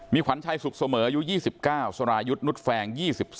ขวัญชัยสุขเสมออายุ๒๙สรายุทธ์นุษย์แฟง๒๒